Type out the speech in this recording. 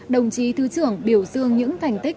đồng chí thứ trưởng biểu dương những thành tích